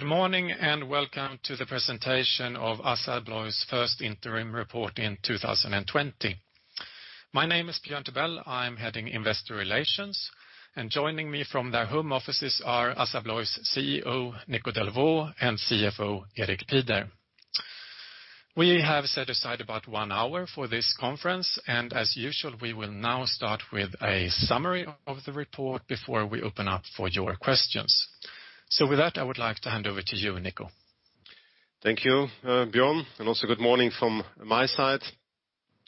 Good morning, and Welcome to the Presentation of Assa Abloy's First Interim Report in 2020. My name is Björn Tibell. I'm heading investor relations, and joining me from their home offices are Assa Abloy's CEO, Nico Delvaux, and CFO, Erik Pieder. We have set aside about one hour for this conference, and as usual, we will now start with a summary of the report before we open up for your questions. With that, I would like to hand over to you, Nico. Thank you, Björn, also good morning from my side.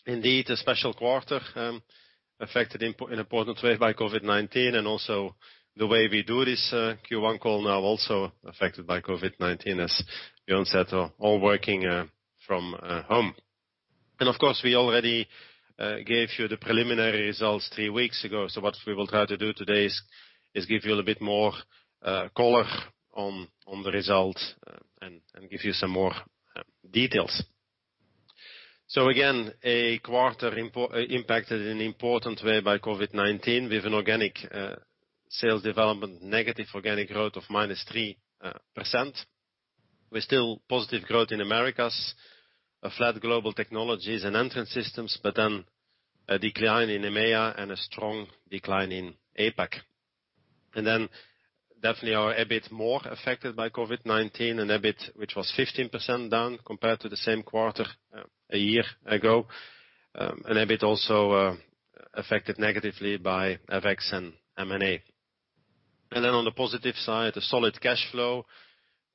Indeed, a special quarter, affected in important way by COVID-19, the way we do this Q1 call now also affected by COVID-19, as Björn said, all working from home. Of course, we already gave you the preliminary results three weeks ago. What we will try to do today is give you a little bit more color on the results and give you some more details. Again, a quarter impacted in an important way by COVID-19. We have an organic sales development, negative organic growth of -3%. We're still positive growth in Americas, a flat Global Technologies and Entrance Systems, a decline in EMEA and a strong decline in APAC. Definitely are a bit more affected by COVID-19 and EBIT, which was 15% down compared to the same quarter a year ago. EBIT also affected negatively by FX and M&A. On the positive side, a solid cash flow,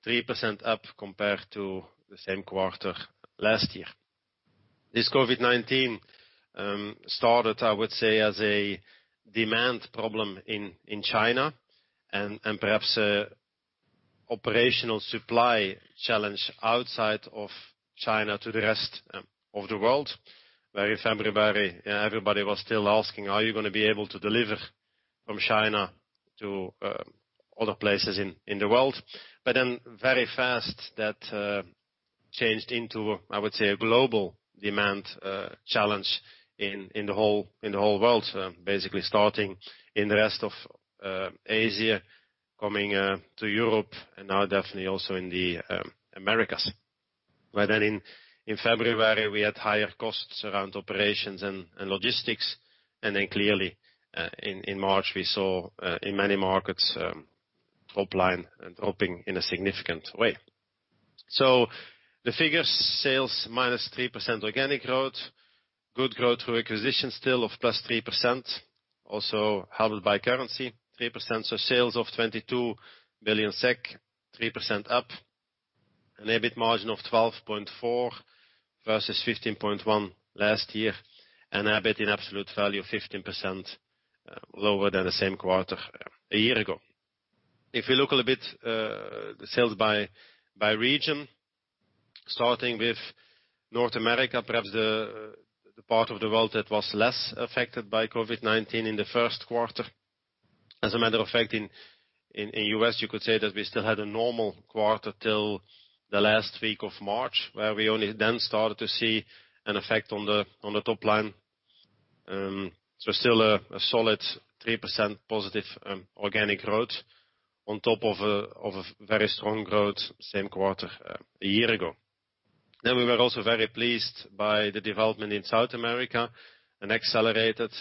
3% up compared to the same quarter last year. This COVID-19 started, I would say, as a demand problem in China and perhaps operational supply challenge outside of China to the rest of the world, where if everybody was still asking, are you going to be able to deliver from China to other places in the world? Very fast that changed into, I would say, a global demand challenge in the whole world. Basically starting in the rest of Asia, coming to Europe, and now definitely also in the Americas, where in February, we had higher costs around operations and logistics. Clearly, in March, we saw in many markets topline dropping in a significant way. The figures, sales -3% organic growth. Good growth through acquisition still of +3%, also helped by currency 3%. Sales of 22 billion SEK, 3% up, an EBIT margin of 12.4% versus 15.1% last year, and EBIT in absolute value 15% lower than the same quarter a year ago. If we look a little bit, the sales by region, starting with North America, perhaps the part of the world that was less affected by COVID-19 in the first quarter. As a matter of fact, in the U.S., you could say that we still had a normal quarter till the last week of March, where we only then started to see an effect on the topline. Still a solid +3% organic growth on top of a very strong growth same quarter a year ago. We were also very pleased by the development in South America, an accelerated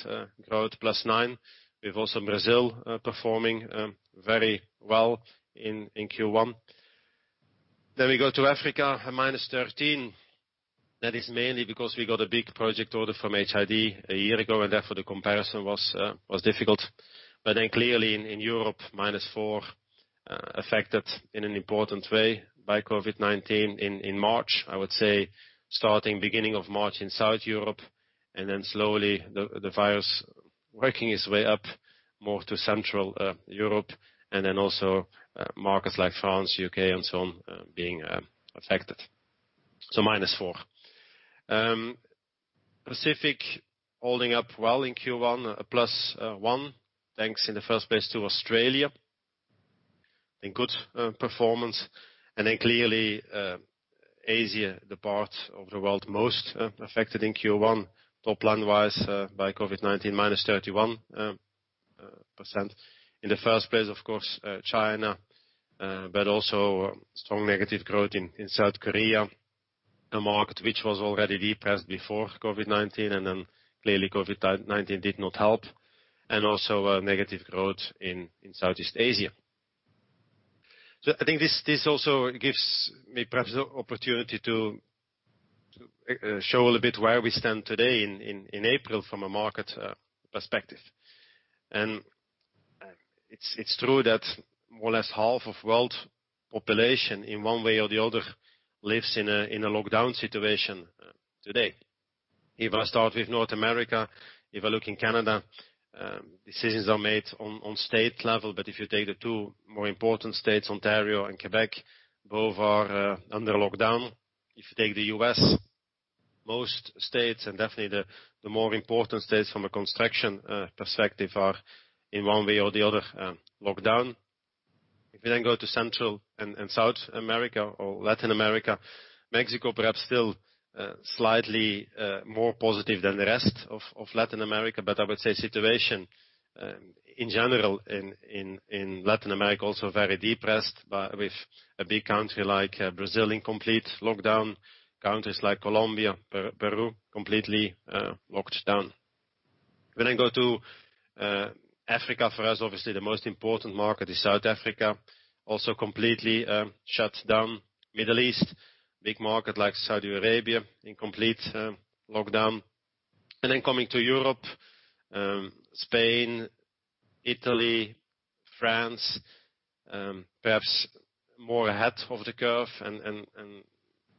growth plus nine, with also Brazil performing very well in Q1. We go to Africa at -13%. That is mainly because we got a big project order from HID a year ago, and therefore the comparison was difficult. Clearly in Europe, -4%, affected in an important way by COVID-19 in March. I would say starting beginning of March in South Europe, slowly the virus working its way up more to Central Europe, also markets like France, U.K., and so on being affected. -4%. Asia Pacific holding up well in Q1, a +1%, thanks in the first place to Australia in good performance. Clearly, Asia, the part of the world most affected in Q1 topline-wise by COVID-19, -31%. In the first place, of course, China, also strong negative growth in South Korea, a market which was already depressed before COVID-19, clearly COVID-19 did not help, also a negative growth in Southeast Asia. I think this also gives me perhaps the opportunity to show a little bit where we stand today in April from a market perspective. It's true that more or less half of world population in one way or the other lives in a lockdown situation today. If I start with North America, if I look in Canada, decisions are made on state level. If you take the two more important states, Ontario and Quebec, both are under lockdown. If you take the U.S., most states and definitely the more important states from a construction perspective are in one way or the other lockdown. If we then go to Central and South America or Latin America, Mexico perhaps still slightly more positive than the rest of Latin America. I would say situation in general in Latin America, also very depressed. With a big country like Brazil in complete lockdown, countries like Colombia, Peru, completely locked down. When I go to Africa, for us, obviously the most important market is South Africa, also completely shut down. Middle East, big market like Saudi Arabia in complete lockdown. Coming to Europe, Spain, Italy, France, perhaps more ahead of the curve and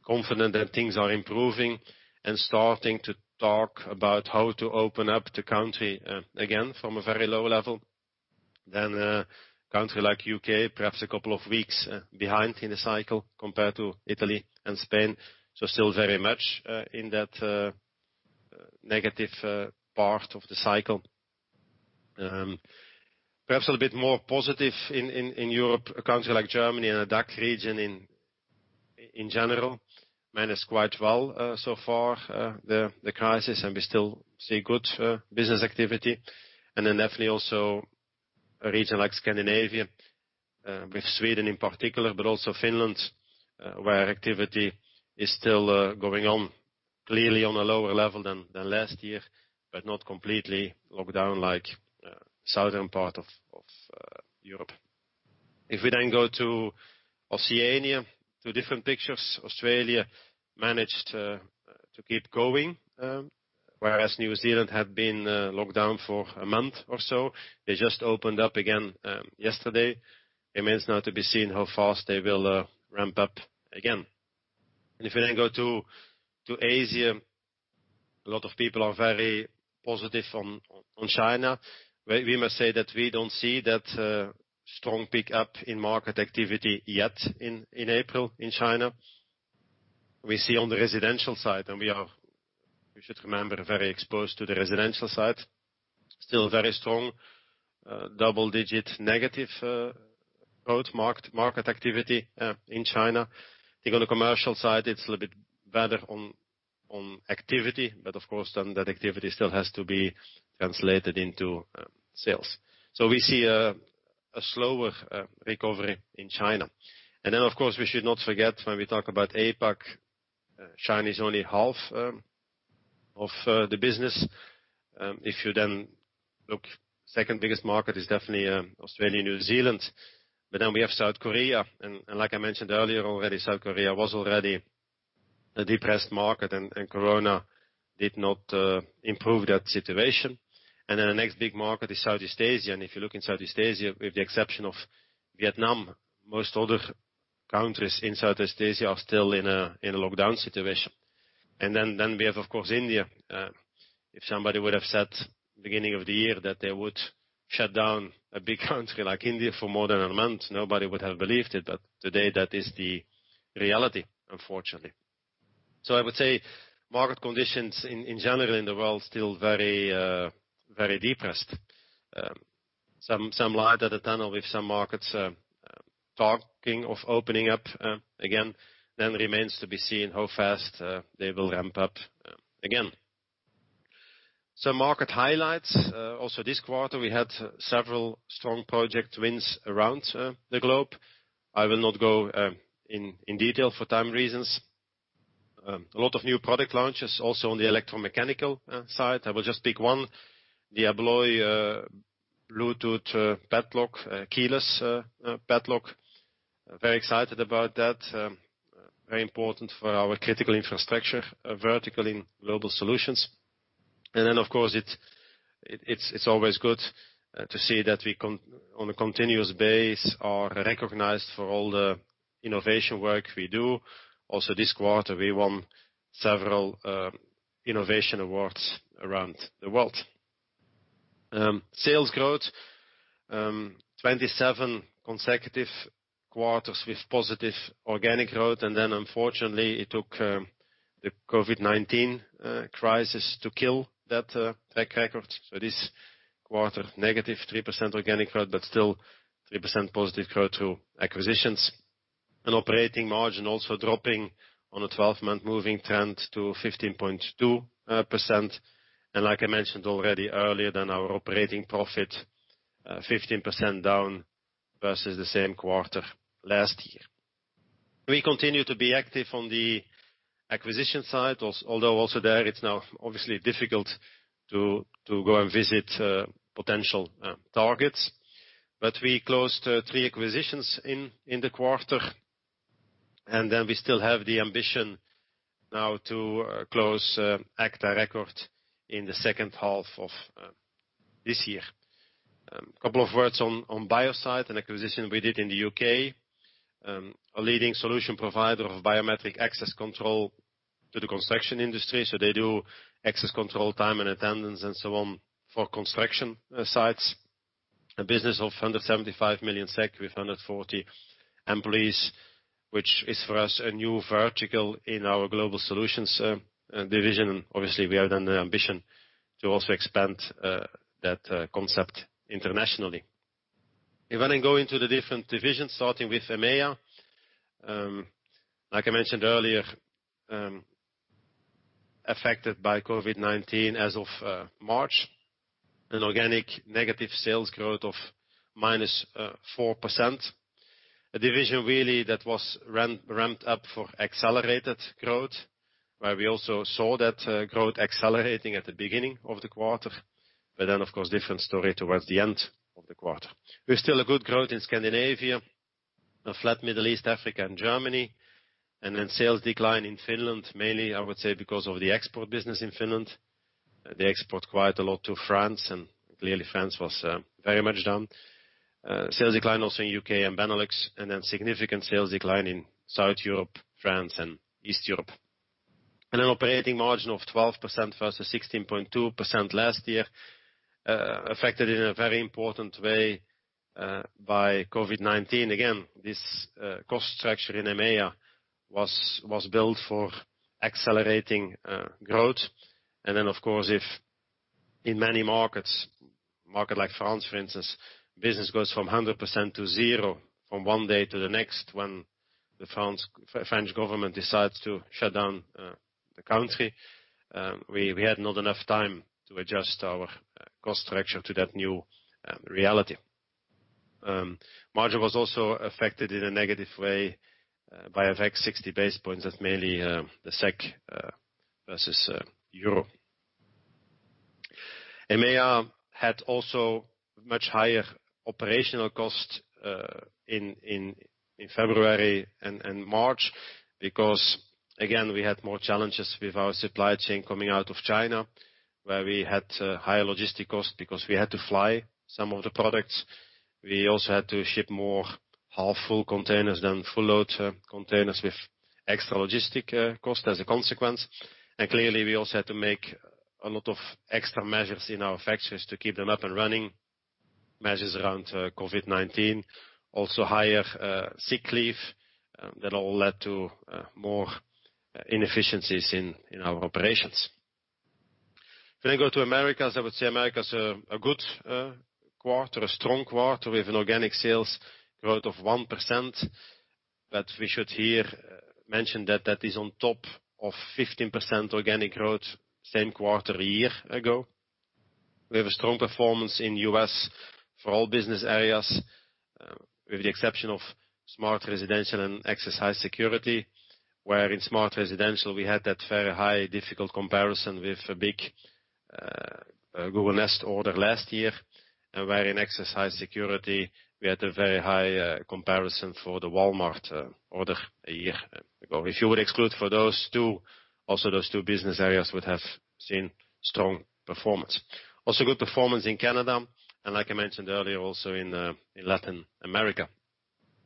confident that things are improving and starting to talk about how to open up the country again from a very low level. A country like U.K., perhaps a couple of weeks behind in the cycle compared to Italy and Spain. Still very much in that negative part of the cycle. Perhaps a little bit more positive in Europe, a country like Germany and the DACH region in general, managed quite well so far the crisis, and we still see good business activity. Definitely also a region like Scandinavia with Sweden in particular, but also Finland, where activity is still going on clearly on a lower level than last year, but not completely locked down like southern part of Europe. If we go to Oceania, two different pictures. Australia managed to keep going, whereas New Zealand had been locked down for a month or so. They just opened up again yesterday. It remains now to be seen how fast they will ramp up again. If we go to Asia, a lot of people are very positive on China. We must say that we don't see that strong pick-up in market activity yet in April in China. We see on the residential side, and we should remember, very exposed to the residential side, still very strong double-digit negative growth market activity in China. I think on the commercial side, it's a little bit better on activity, but of course, then that activity still has to be translated into sales. We see a slower recovery in China. Of course, we should not forget when we talk about APAC, China is only half of the business. If you then look, second biggest market is definitely Australia, New Zealand. We have South Korea. Like I mentioned earlier already, South Korea was already a depressed market and COVID-19 did not improve that situation. The next big market is Southeast Asia. If you look in Southeast Asia, with the exception of Vietnam, most other countries in Southeast Asia are still in a lockdown situation. We have, of course, India. If somebody would have said beginning of the year that they would shut down a big country like India for more than a month, nobody would have believed it. Today that is the reality, unfortunately. I would say market conditions in general in the world still very depressed. Some light at the tunnel with some markets talking of opening up again. Remains to be seen how fast they will ramp up again. Market highlights. Also this quarter, we had several strong project wins around the globe. I will not go in detail for time reasons. A lot of new product launches also on the electromechanical side. I will just pick one, the Abloy Bluetooth padlock, keyless padlock. Very excited about that. Very important for our critical infrastructure vertical in Global Solutions. Of course, it's always good to see that we, on a continuous basis, are recognized for all the innovation work we do. Also this quarter, we won several innovation awards around the world. Sales growth, 27 consecutive quarters with positive organic growth, unfortunately, it took the COVID-19 crisis to kill that track record. This quarter, -3% organic growth, but still +3% growth through acquisitions. Operating margin also dropping on a 12-month moving trend to 15.2%. Like I mentioned already earlier, our operating profit 15% down versus the same quarter last year. We continue to be active on the acquisition side, although also there, it's now obviously difficult to go and visit potential targets. We closed three acquisitions in the quarter, we still have the ambition now to close agta record in the second half of this year. Couple of words on Biosite, an acquisition we did in the U.K. A leading solution provider of biometric access control to the construction industry. They do access control, time and attendance, and so on for construction sites. A business of under 75 million SEK with 140 employees, which is for us a new vertical in our Global Solutions division. Obviously, we have the ambition to also expand that concept internationally. If I go into the different divisions, starting with EMEA. Like I mentioned earlier, affected by COVID-19 as of March. An organic negative sales growth of -4%. A division, really, that was ramped up for accelerated growth, where we also saw that growth accelerating at the beginning of the quarter. Of course, different story towards the end of the quarter. We're still a good growth in Scandinavia. A flat Middle East, Africa and Germany. Sales decline in Finland. Mainly, I would say, because of the export business in Finland. They export quite a lot to France, and clearly France was very much down. Sales decline also in U.K. and Benelux, and then significant sales decline in South Europe, France and East Europe. An operating margin of 12% versus 16.2% last year, affected in a very important way by COVID-19. Again, this cost structure in EMEA was built for accelerating growth. Of course, if in many markets, a market like France, for instance, business goes from 100% to zero from one day to the next when the French government decides to shut down the country. We had not enough time to adjust our cost structure to that new reality. Margin was also affected in a negative way by FX 60 basis points. That's mainly the SEK versus euro. EMEA had also much higher operational costs in February and March because, again, we had more challenges with our supply chain coming out of China, where we had higher logistic costs because we had to fly some of the products. We also had to ship more half-full containers than full load containers, with extra logistic cost as a consequence. Clearly, we also had to make a lot of extra measures in our factories to keep them up and running. Measures around COVID-19. Also higher sick leave that all led to more inefficiencies in our operations. I go to Americas. I would say Americas is a good quarter, a strong quarter with an organic sales growth of 1%. We should here mention that that is on top of 15% organic growth same quarter a year ago. We have a strong performance in U.S. for all business areas, with the exception of Smart Residential and Access High Security, where in Smart Residential we had that very high, difficult comparison with a big Google Nest order last year. Where in Access High Security, we had a very high comparison for the Walmart order a year ago. If you would exclude for those two, also those two business areas would have seen strong performance. Also good performance in Canada, and like I mentioned earlier, also in Latin America.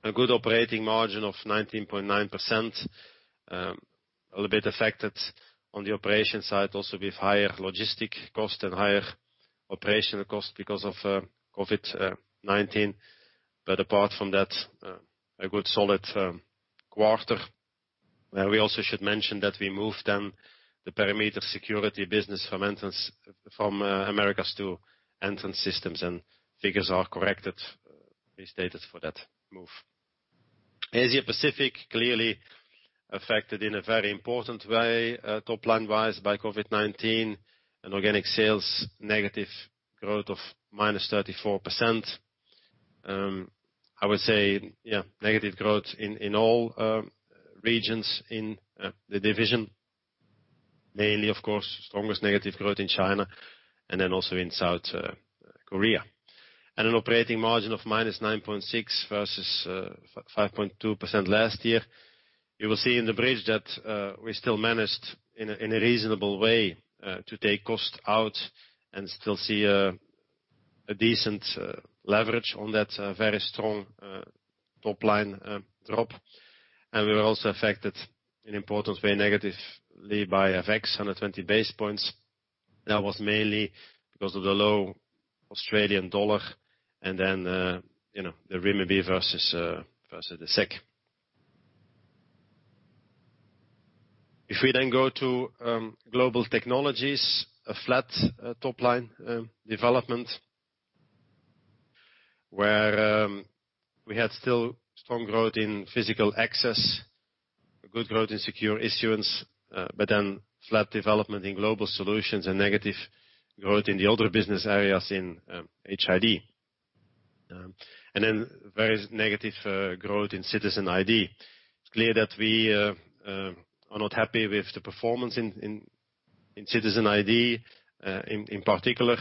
A good operating margin of 19.9%. A little bit affected on the operation side also with higher logistic cost and higher operational cost because of COVID-19. Apart from that, a good solid quarter. We also should mention that we moved then the perimeter security business from entrance from Americas to Entrance Systems. Figures are corrected, restated for that move. Asia Pacific, clearly affected in a very important way, top line wise by COVID-19. Organic sales negative growth of -34%. I would say, yeah, negative growth in all regions in the division, mainly, of course, strongest negative growth in China and then also in South Korea. An operating margin of -9.6% versus 5.2% last year. You will see in the bridge that we still managed in a reasonable way to take cost out and still see a decent leverage on that very strong top line drop. We were also affected in important way negatively by FX 120 basis points. That was mainly because of the low Australian dollar and then the renminbi versus the SEK. If we go to Global Technologies, a flat top line development, where we had still strong growth in physical access, a good growth in secure issuance, flat development in Global Solutions and negative growth in the other business areas in HID. Very negative growth in Citizen ID. It is clear that we are not happy with the performance in Citizen ID. In particular,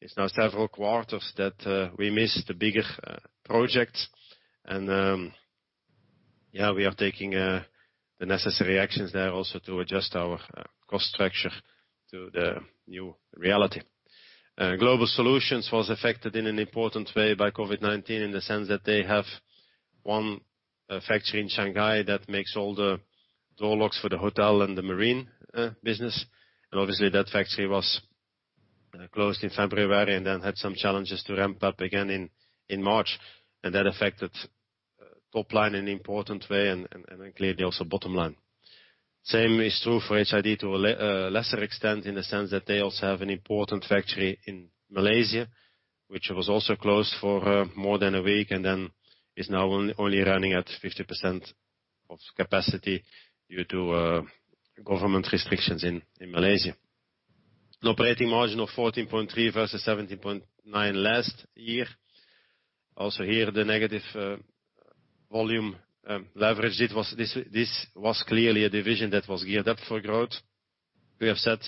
it is now several quarters that we missed the bigger projects. We are taking the necessary actions there also to adjust our cost structure to the new reality. Global Solutions was affected in an important way by COVID-19 in the sense that they have one factory in Shanghai that makes all the door locks for the hotel and the marine business. Obviously that factory was closed in February and then had some challenges to ramp up again in March, and that affected top line in an important way, and then clearly also bottom line. Same is true for HID to a lesser extent in the sense that they also have an important factory in Malaysia, which was also closed for more than one week, and then is now only running at 50% of capacity due to government restrictions in Malaysia. An operating margin of 14.3 versus 17.9 last year. Also here, the negative volume leverage. This was clearly a division that was geared up for growth. We have said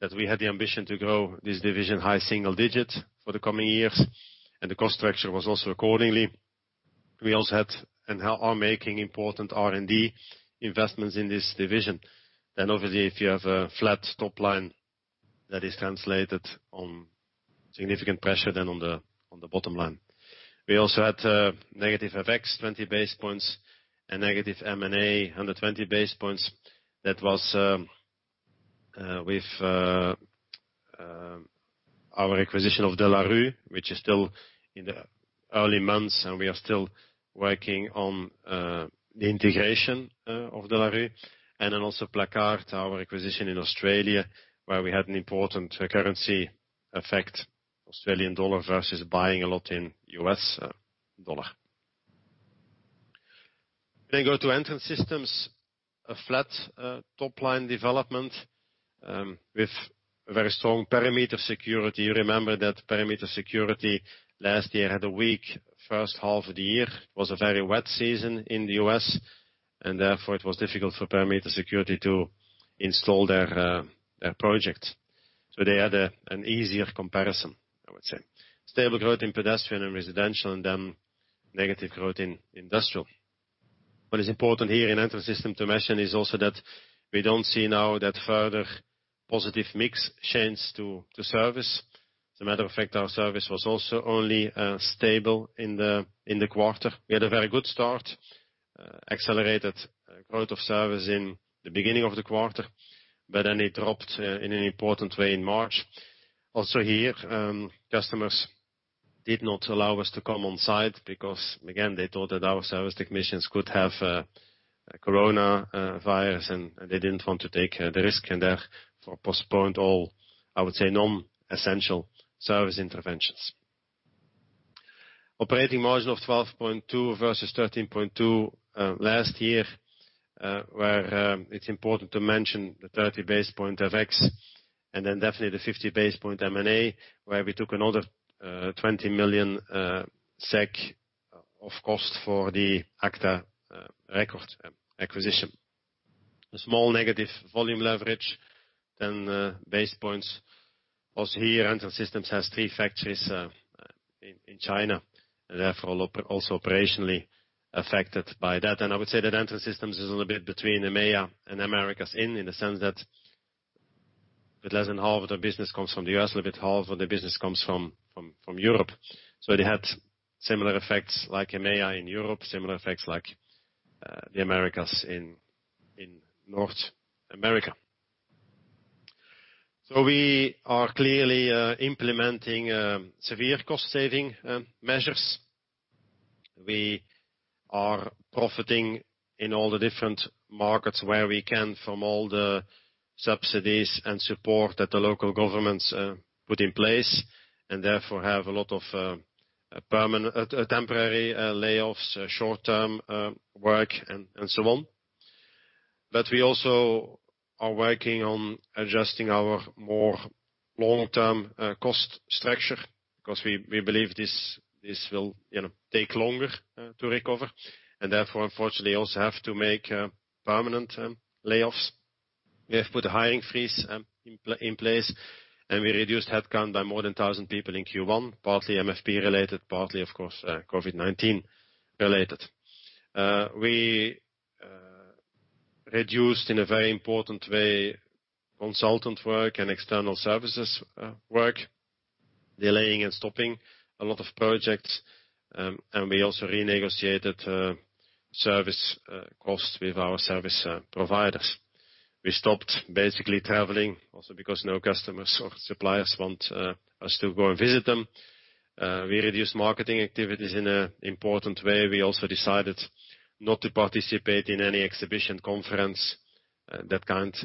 that we had the ambition to grow this division high single digits for the coming years, and the cost structure was also accordingly. We also had, and are making important R&D investments in this division. [And] obviously, if you have a flat top line, that is translated on significant pressure on the bottom line. We also had negative effects, 20 basis points and negative M&A 120 basis points. That was with our acquisition of De La Rue, which is still in the early months, and we are still working on the integration of De La Rue. Also Placard, our acquisition in Australia, where we had an important currency effect, Australian dollar versus buying a lot in US dollar. Go to Entrance Systems, a flat top line development with very strong perimeter security. You remember that perimeter security last year had a weak first half of the year. It was a very wet season in the U.S., and therefore it was difficult for perimeter security to install their projects. They had an easier comparison, I would say. Stable growth in pedestrian and residential, negative growth in industrial. What is important here in Entrance Systems to mention is also that we don't see now that further positive mix change to service. As a matter of fact, our service was also only stable in the quarter. We had a very good start, accelerated growth of service in the beginning of the quarter, it dropped in an important way in March. Also here, customers did not allow us to come on site because, again, they thought that our service technicians could have coronavirus, and they didn't want to take the risk, and therefore postponed all, I would say, non-essential service interventions. Operating margin of 12.2% versus 13.2% last year, where it's important to mention the 30 basis point effects, definitely the 50 basis point M&A, where we took another 20 million SEK of cost for the agta record acquisition. A small negative volume leverage than the basis points. Here, Entrance Systems has three factories in China, and therefore also operationally affected by that. I would say that Entrance Systems is a little bit between EMEA and Americas in the sense that a little less than half of the business comes from the U.S., a little bit half of the business comes from Europe. They had similar effects like EMEA in Europe, similar effects like the Americas in North America. We are clearly implementing severe cost saving measures. We are profiting in all the different markets where we can from all the subsidies and support that the local governments put in place, and therefore have a lot of temporary layoffs, short-term work, and so on. We also are working on adjusting our more long-term cost structure because we believe this will take longer to recover, and therefore, unfortunately, also have to make permanent layoffs. We have put a hiring freeze in place, and we reduced headcount by more than 1,000 people in Q1, partly MFP related, partly, of course, COVID-19 related. We reduced, in a very important way, consultant work and external services work, delaying and stopping a lot of projects, and we also renegotiated service costs with our service providers. We stopped basically traveling, also because no customers or suppliers want us to go and visit them. We reduced marketing activities in an important way. We also decided not to participate in any exhibition conference that can't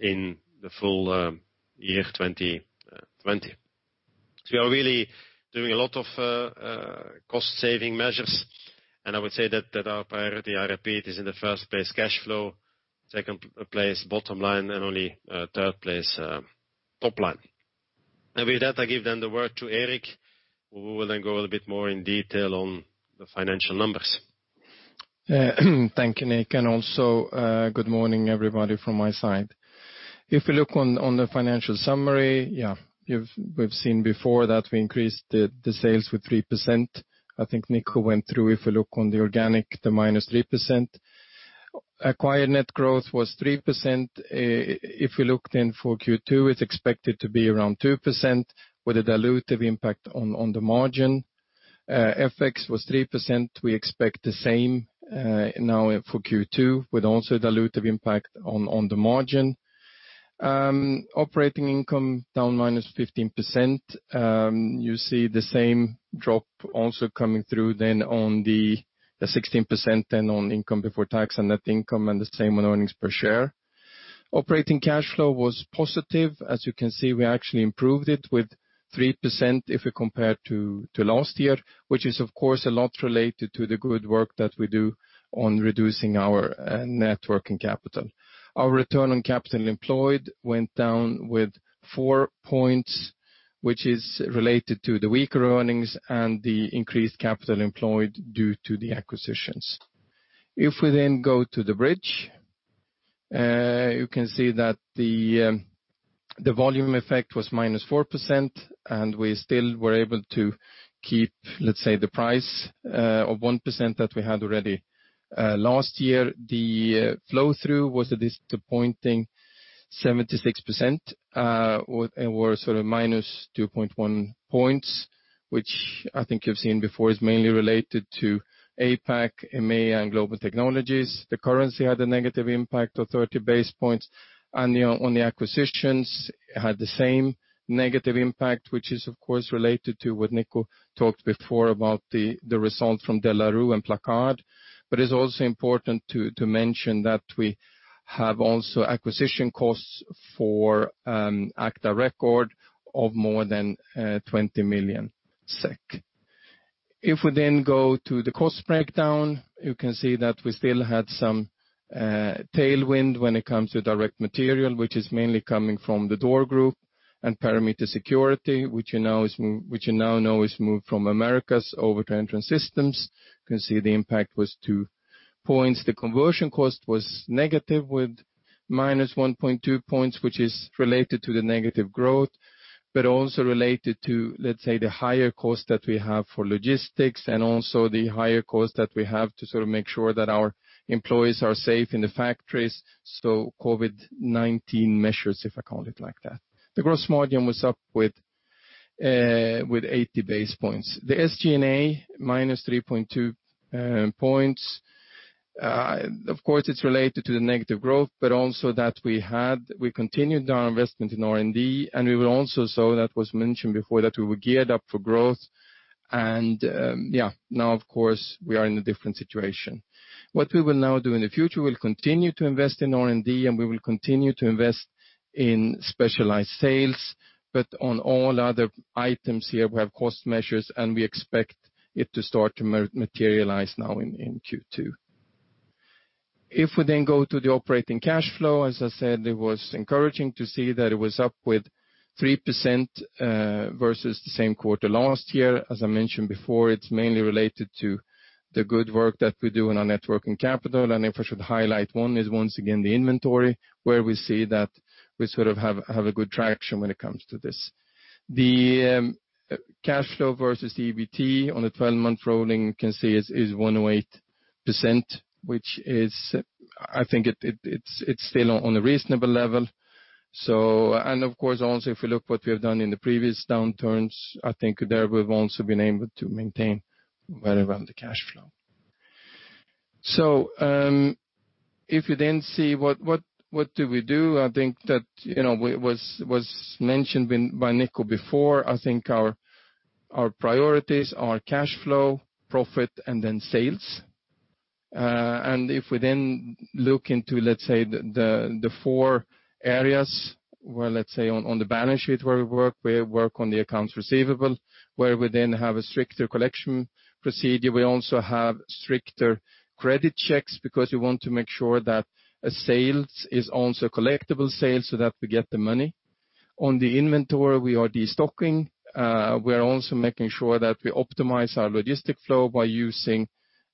in the full year 2020. We are really doing a lot of cost saving measures, and I would say that our priority, I repeat, is in the first place cash flow, second place bottom line, and only third place top line. With that, I give then the word to Erik, who will then go a bit more in detail on the financial numbers. Thank you, Nico, and also good morning, everybody, from my side. If you look on the financial summary, yeah, we've seen before that we increased the sales with 3%. I think Nico went through, if you look on the organic, the -3%. Acquired net growth was 3%. If we looked in for Q2, it's expected to be around 2%. With a dilutive impact on the margin. FX was 3%. We expect the same now for Q2, with also dilutive impact on the margin. Operating income down -15%. You see the same drop also coming through then on the 16% then on income before tax and net income, and the same on earnings per share. Operating cash flow was positive. As you can see, we actually improved it with 3% if we compare to last year, which is of course a lot related to the good work that we do on reducing our net working capital. Our return on capital employed went down with four points, which is related to the weaker earnings and the increased capital employed due to the acquisitions. If we go to the bridge, you can see that the volume effect was -4% and we still were able to keep the price of 1% that we had already. Last year, the flow-through was a disappointing 76%, or sort of -2.1 points, which I think you've seen before is mainly related to APAC, EMEA, and Global Technologies. The currency had a negative impact of 30 basis points. On the acquisitions, had the same negative impact, which is of course related to what Nico talked before about the result from De La Rue and Placard. It's also important to mention that we have also acquisition costs for agta record of more than 20 million SEK. If we then go to the cost breakdown, you can see that we still had some tailwind when it comes to direct material, which is mainly coming from the Door Group and Perimeter Security, which you now know is moved from Americas over to Entrance Systems. You can see the impact was 2 points. The conversion cost was negative with -1.2 points, which is related to the negative growth, but also related to the higher cost that we have for logistics and also the higher cost that we have to sort of make sure that our employees are safe in the factories. COVID-19 measures, if I call it like that. The gross margin was up with 80 basis points. The SGA, -3.2 points. Of course, it's related to the negative growth, but also that we continued our investment in R&D. That was mentioned before that we were geared up for growth. Now, of course, we are in a different situation. What we will now do in the future, we'll continue to invest in R&D and we will continue to invest in specialized sales. [But] on all other items here, we have cost measures, and we expect it to start to materialize now in Q2. If we then go to the operating cash flow, as I said, it was encouraging to see that it was up with 3% versus the same quarter last year. As I mentioned before, it's mainly related to the good work that we do in our net working capital. If I should highlight one is once again the inventory, where we see that we sort of have a good traction when it comes to this. The cash flow versus the EBT on the 12-month rolling you can see is 108%, which is, I think it's still on a reasonable level. Of course, also if we look what we have done in the previous downturns, I think there we've also been able to maintain well around the cash flow. If you see what do we do, I think that was mentioned by Nico before. I think our priorities are cash flow, profit, and sales. If we look into the four areas where on the balance sheet where we work, we work on the accounts receivable, where we have a stricter collection procedure. We also have stricter credit checks because we want to make sure that a sale is also collectible sale so that we get the money. On the inventory, we are destocking. We are also making sure that we optimize our logistic flow by using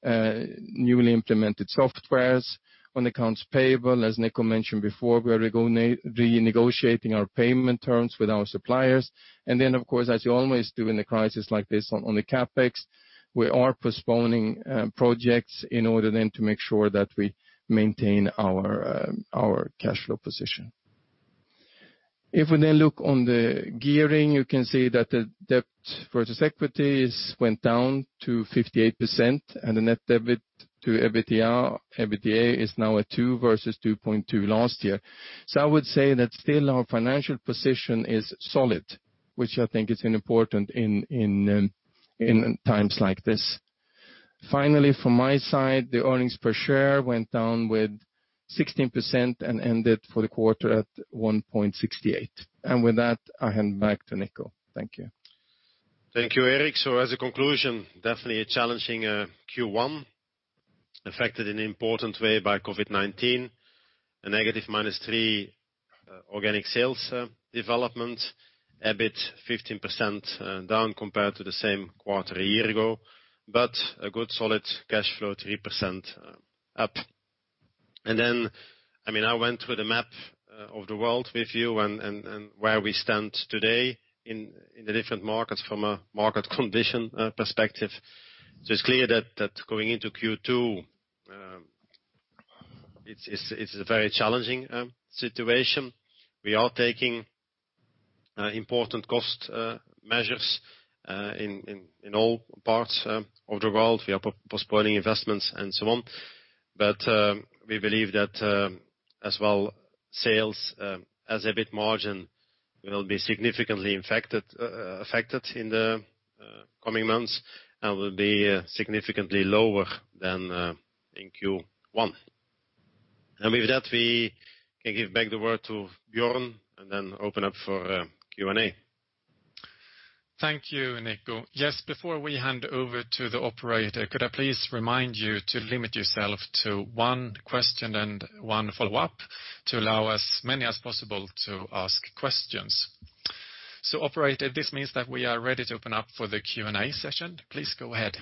newly implemented software. On accounts payable, as Nico mentioned before, we are renegotiating our payment terms with our suppliers. Of course, as you always do in a crisis like this, on the CapEx, we are postponing projects in order then to make sure that we maintain our cash flow position. If we then look on the gearing, you can see that the debt versus equity went down to 58% and the net debit to EBITDA is now at 2 versus 2.2 last year. I would say that still our financial position is solid, which I think is important in times like this. Finally, from my side, the earnings per share went down with 16% and ended for the quarter at 1.68. With that, I hand back to Nico. Thank you. Thank you, Erik. As a conclusion, definitely a challenging Q1, affected in an important way by COVID-19. A negative -3% organic sales development. EBIT 15% down compared to the same quarter a year ago. A good solid cash flow, 3% up. I went through the map of the world with you and where we stand today in the different markets from a market condition perspective. It's clear that going into Q2. It's a very challenging situation. We are taking important cost measures in all parts of the world. We are postponing investments and so on. We believe that as well, sales as EBIT margin will be significantly affected in the coming months and will be significantly lower than in Q1. With that, we can give back the word to Björn and then open up for Q&A. Thank you, Nico. Yes, before we hand over to the operator, could I please remind you to limit yourself to one question and one follow-up to allow as many as possible to ask questions? Operator, this means that we are ready to open up for the Q&A session. Please go ahead.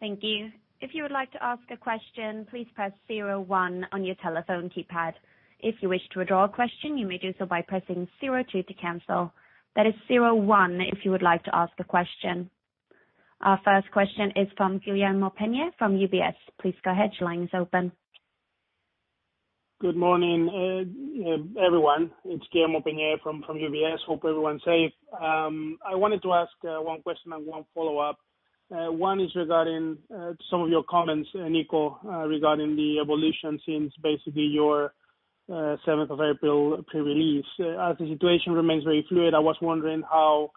Thank you. If you would like to ask a question, please press zero one on your telephone keypad. If you wish to withdraw a question, you may do so by pressing zero two to cancel. That is zero one if you would like to ask a question. Our first question is from Guillermo Peigneux from UBS. Please go ahead. Your line is open. Good morning, everyone. It's Guillermo Peigneux from UBS. Hope everyone's safe. I wanted to ask one question and one follow-up. One is regarding some of your comments, Nico, regarding the evolution since basically your 7th of April pre-release. As the situation remains very fluid, I was wondering how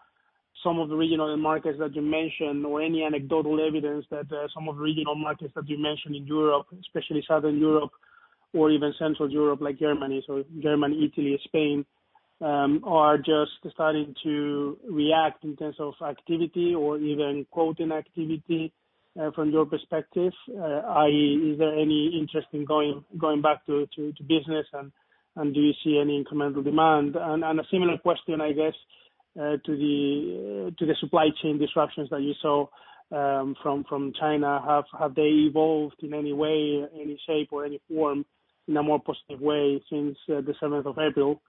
some of the regional markets that you mentioned or any anecdotal evidence that some of the regional markets that you mentioned in Europe, especially Southern Europe or even Central Europe, like Germany, Italy, Spain, are just starting to react in terms of activity or even quoting activity, from your perspective, i.e., is there any interest in going back to business and do you see any incremental demand? A similar question, I guess, to the supply chain disruptions that you saw from China. Have they evolved in any way, any shape, or any form in a more positive way since the 7th of April?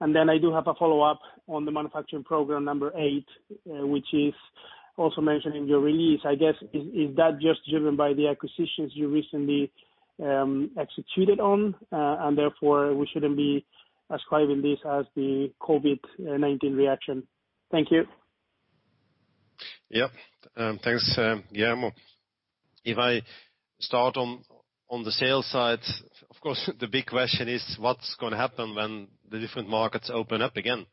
I do have a follow-up on the Manufacturing Program Number Eight, which is also mentioned in your release, I guess, is that just driven by the acquisitions you recently executed on? We shouldn't be ascribing this as the COVID-19 reaction. Thank you. Yeah. Thanks, Guillermo. If I start on the sales side, of course, the big question is what's going to happen when the different markets open up again?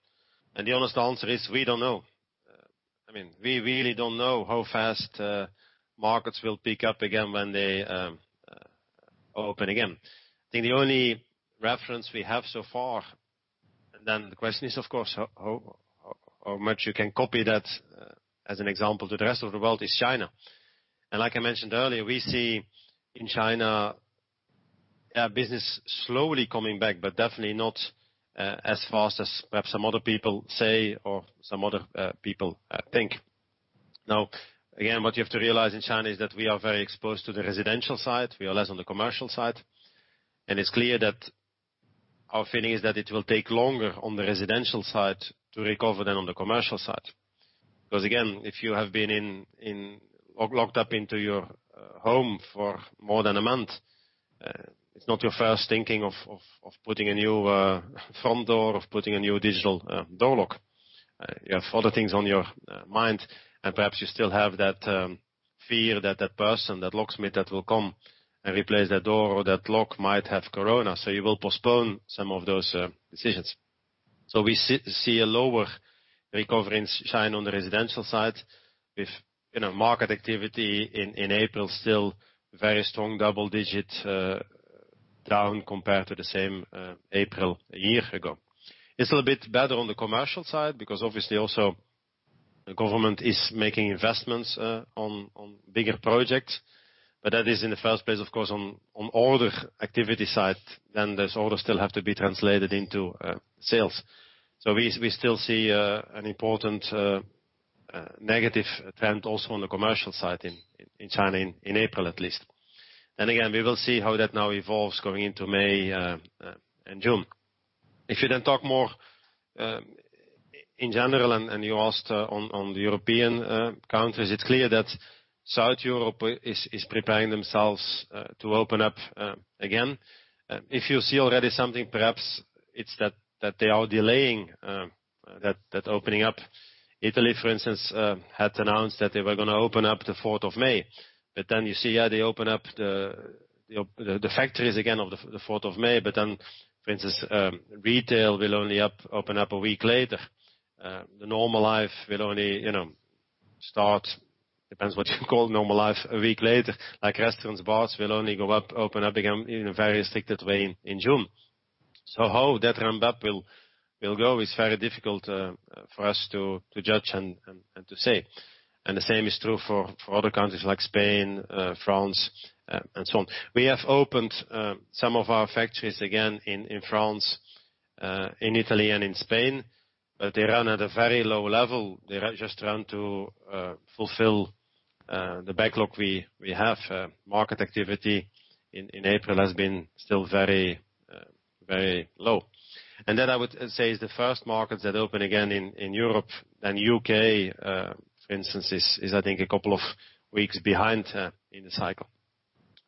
The honest answer is we don't know. We really don't know how fast markets will pick up again when they open again. I think the only reference we have so far, and then the question is, of course, how much you can copy that as an example to the rest of the world is China. Like I mentioned earlier, we see in China business slowly coming back, but definitely not as fast as perhaps some other people say or some other people think. Now, again, what you have to realize in China is that we are very exposed to the residential side. We are less on the commercial side. It's clear that our feeling is that it will take longer on the residential side to recover than on the commercial side. Again, if you have been locked up into your home for more than a month, it's not your first thinking of putting a new front door, of putting a new digital door lock. You have other things on your mind, and perhaps you still have that fear that that person, that locksmith that will come and replace that door or that lock might have corona. You will postpone some of those decisions. We see a lower recovery in China on the residential side with market activity in April still very strong double-digit down compared to the same April a year ago. It's a little bit better on the commercial side because obviously also the government is making investments on bigger projects, but that is in the first place, of course, on order activity side, then those orders still have to be translated into sales. We still see an important negative trend also on the commercial side in China in April at least. Again, we will see how that now evolves going into May and June. If you then talk more in general and you asked on the European countries, it's clear that South Europe is preparing themselves to open up again. If you see already something, perhaps it's that they are delaying that opening up. Italy, for instance, had announced that they were going to open up the 4th of May. You see they open up the factories again on the 4th of May, for instance, retail will only open up a week later. The normal life will only start, depends what you call normal life, a week later, like restaurants, bars will only open up again in a very restricted way in June. How that ramp up will go is very difficult for us to judge and to say. The same is true for other countries like Spain, France, and so on. We have opened some of our factories again in France, in Italy, and in Spain, but they run at a very low level. They just run to fulfill the backlog we have. Market activity in April has been still very low. I would say is the first markets that open again in Europe and U.K., for instance, is I think a couple of weeks behind in the cycle.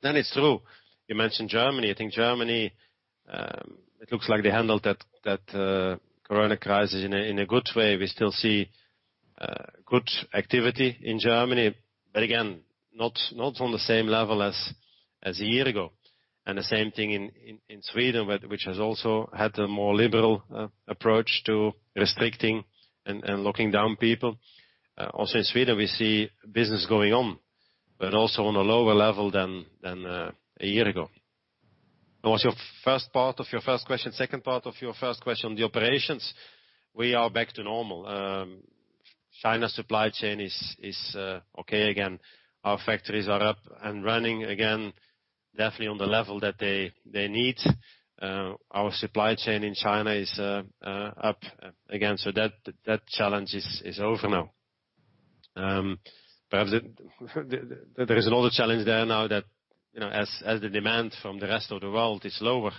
It's true, you mentioned Germany. I think Germany, it looks like they handled that COVID-19 crisis in a good way. We still see good activity in Germany, again, not on the same level as a year ago. The same thing in Sweden, which has also had a more liberal approach to restricting and locking down people. Also in Sweden, we see business going on, also on a lower level than a year ago. What was your first part of your first question? Second part of your first question, the operations, we are back to normal. China supply chain is okay again. Our factories are up and running again, definitely on the level that they need. Our supply chain in China is up again. That challenge is over now. Perhaps there is another challenge there now that, as the demand from the rest of the world is lower,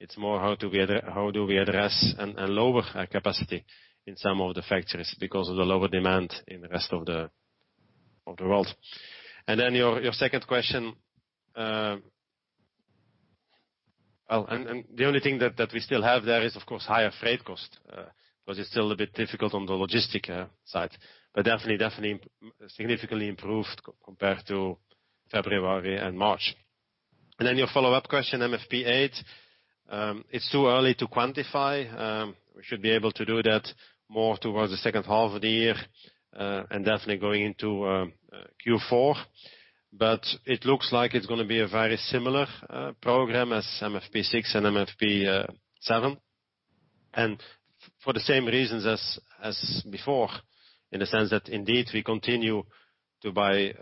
it's more how do we address and lower capacity in some of the factories because of the lower demand in the rest of the world. Your second question, the only thing that we still have there is, of course, higher freight cost, because it's still a bit difficult on the logistic side, but definitely significantly improved compared to February and March. Your follow-up question, MFP8. It's too early to quantify. We should be able to do that more towards the second half of the year, and definitely going into Q4. It looks like it's going to be a very similar program as MFP6 and MFP7. For the same reasons as before, in the sense that indeed we continue to buy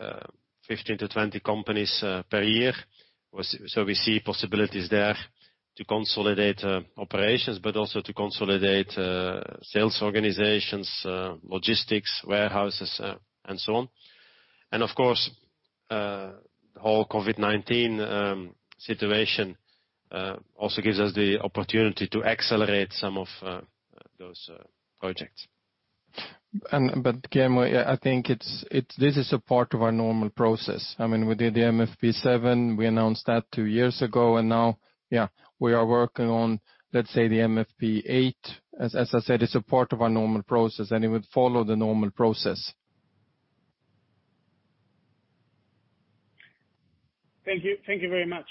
15-20 companies per year. We see possibilities there to consolidate operations, but also to consolidate sales organizations, logistics, warehouses, and so on. Of course, the whole COVID-19 situation also gives us the opportunity to accelerate some of those projects. Again, I think this is a part of our normal process. We did the MFP7, we announced that two years ago, and now we are working on, let's say, the MFP8. As I said, it's a part of our normal process, and it would follow the normal process. Thank you. Thank you very much.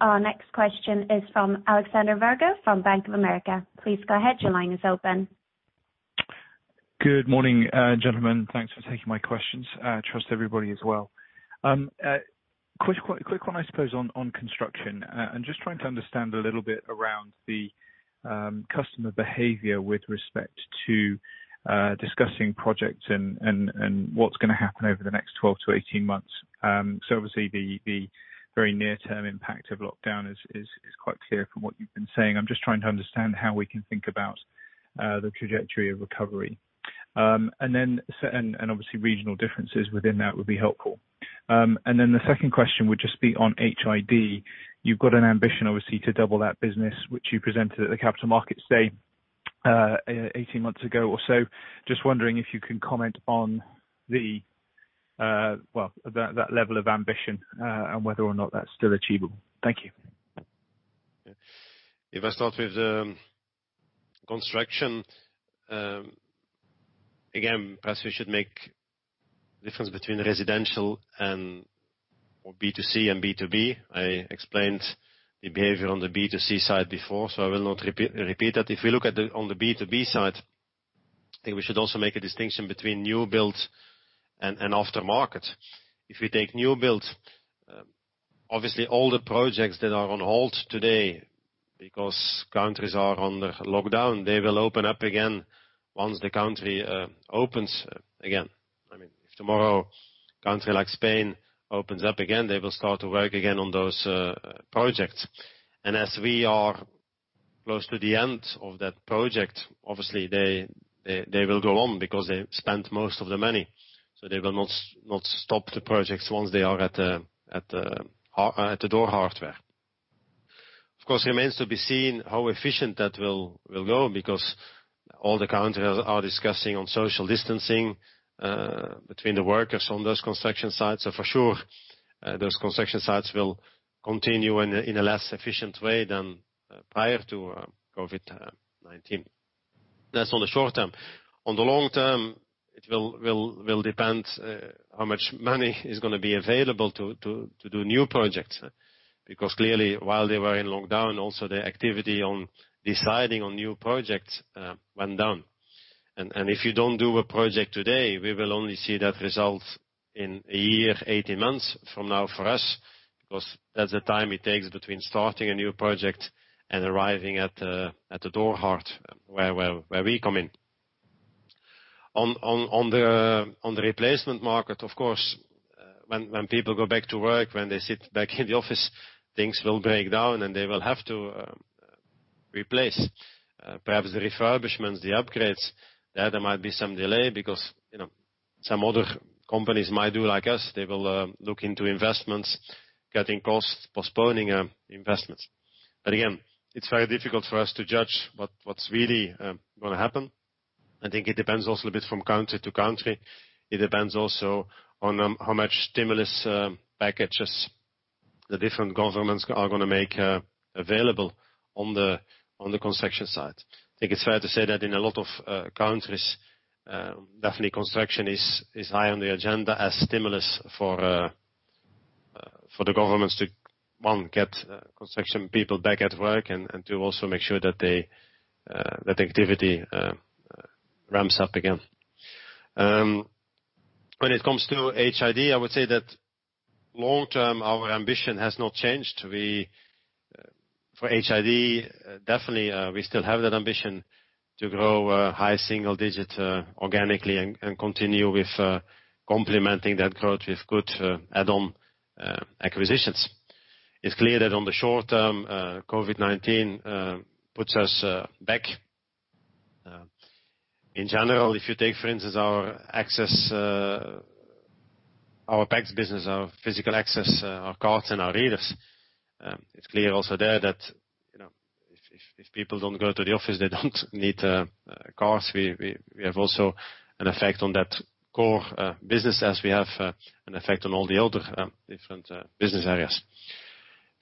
Our next question is from Alexander Virgo from Bank of America. Please go ahead. Your line is open. Good morning, gentlemen. Thanks for taking my questions. Trust everybody is well. Quick one, I suppose, on construction. I'm just trying to understand a little bit around the customer behavior with respect to discussing projects and what's going to happen over the next 12-18 months. Obviously, the very near-term impact of lockdown is quite clear from what you've been saying. I'm just trying to understand how we can think about the trajectory of recovery. Obviously regional differences within that would be helpful. Then the second question would just be on HID. You've got an ambition, obviously, to double that business, which you presented at the Capital Markets Day 18 months ago or so. Just wondering if you can comment on that level of ambition, and whether or not that's still achievable. Thank you. If I start with construction. Again, perhaps we should make difference between residential or B2C and B2B. I explained the behavior on the B2C side before, so I will not repeat that. If we look on the B2B side, I think we should also make a distinction between new builds and aftermarket. If we take new builds, obviously all the projects that are on hold today because countries are under lockdown, they will open up again once the country opens again. If tomorrow country like Spain opens up again, they will start to work again on those projects. As we are close to the end of that project, obviously they will go on because they spent most of the money. They will not stop the projects once they are at the door hardware. Remains to be seen how efficient that will go because all the countries are discussing on social distancing between the workers on those construction sites. For sure, those construction sites will continue in a less efficient way than prior to COVID-19. That's on the short term. On the long term, it will depend how much money is going to be available to do new projects. Clearly, while they were in lockdown, also the activity on deciding on new projects went down. If you don't do a project today, we will only see that result in a year, 18 months from now for us, because that's the time it takes between starting a new project and arriving at the door hardware where we come in. On the replacement market, of course, when people go back to work, when they sit back in the office, things will break down and they will have to replace. Perhaps the refurbishments, the upgrades, there might be some delay because some other companies might do like us. They will look into investments, cutting costs, postponing investments. Again, it's very difficult for us to judge what's really going to happen. I think it depends also a bit from country to country. It depends also on how much stimulus packages the different governments are going to make available on the construction side. I think it's fair to say that in a lot of countries, definitely construction is high on the agenda as stimulus for the governments to, one, get construction people back at work, and two, also make sure that activity ramps up again. When it comes to HID, I would say that long term, our ambition has not changed. For HID, definitely, we still have that ambition to grow high single digit organically and continue with complementing that growth with good add-on acquisitions. It's clear that on the short term, COVID-19 puts us back. In general, if you take, for instance, our access, our PACS business, our physical access, our cards and our readers. It's clear also there that, if people don't go to the office, they don't need cards. We have also an effect on that core business as we have an effect on all the other different business areas.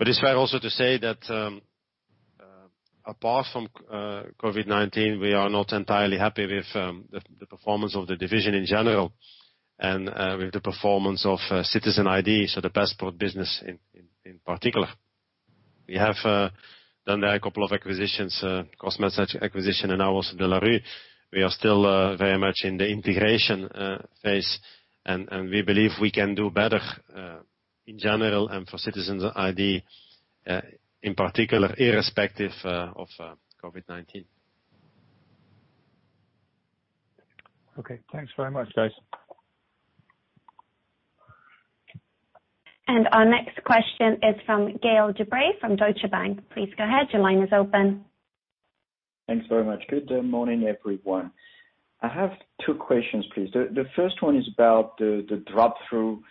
It's fair also to say that, apart from COVID-19, we are not entirely happy with the performance of the division in general and with the performance of Citizen ID, so the passport business in particular. We have done a couple of acquisitions, Cosmesac acquisition and also De La Rue. We are still very much in the integration phase. We believe we can do better in general and for Citizen ID, in particular, irrespective of COVID-19. Okay, thanks very much, guys. Our next question is from Gaël de Bray from Deutsche Bank. Please go ahead. Your line is open. Thanks very much. Good morning, everyone. I have two questions, please. The first one is about the drop through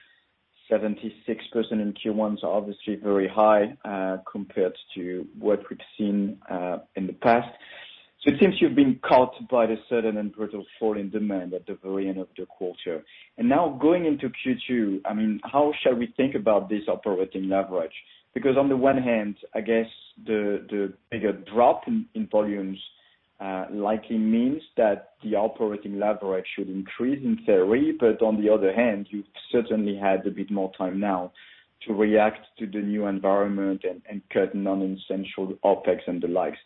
76% in Q1 is obviously very high compared to what we've seen in the past. It seems you've been caught by the sudden and brutal fall in demand at the very end of the quarter. Now going into Q2, how shall we think about this operating leverage? [Because] on the one hand, I guess the bigger drop in volumes likely means that the operating leverage should increase in theory, but on the other hand, you've certainly had a bit more time now to react to the new environment and cut non-essential OpEx and the likes.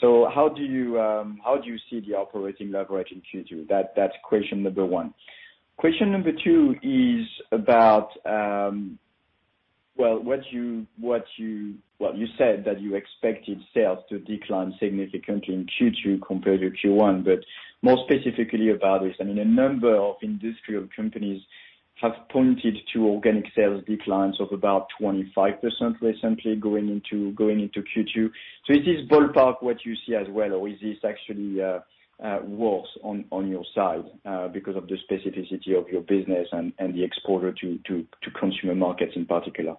How do you see the operating leverage in Q2? That's question number 1. Question number 2 is about you said that you expected sales to decline significantly in Q2 compared to Q1. More specifically about this, a number of industrial companies have pointed to organic sales declines of about 25% recently going into Q2. Is this ballpark what you see as well, or is this actually worse on your side because of the specificity of your business and the exposure to consumer markets in particular?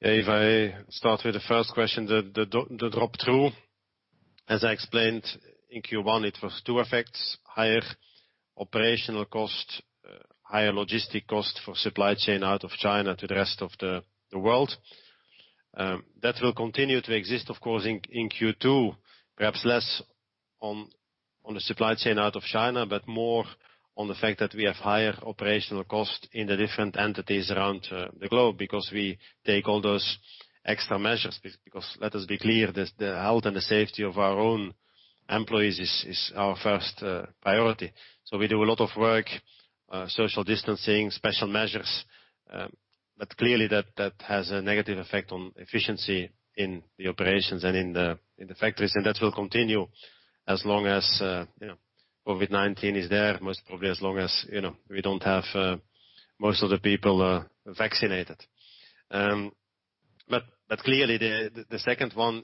If I start with the first question, the drop-through, as I explained in Q1, it was two effects, higher operational cost, higher logistic cost for supply chain out of China to the rest of the world. That will continue to exist, of course, in Q2, perhaps less on the supply chain out of China, but more on the fact that we have higher operational cost in the different entities around the globe because we take all those extra measures, because let us be clear, the health and the safety of our own employees is our first priority. We do a lot of work, social distancing, special measures, but clearly that has a negative effect on efficiency in the operations and in the factories, and that will continue as long as COVID-19 is there, most probably as long as we don't have most of the people vaccinated. Clearly, the second one,